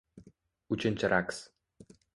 Uchinchi raqs.